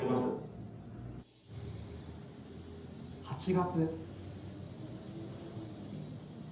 ８月。